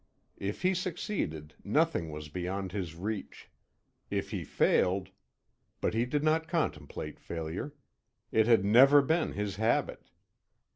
If he succeeded, nothing was beyond his reach. If he failed but he did not contemplate failure. It had never been his habit.